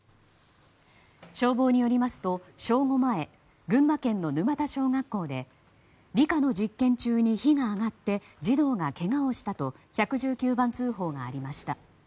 消防によりますと正午前群馬県の沼田小学校で理科の実験中に火が上がって児童がけがをしたと１１９番通報がありました。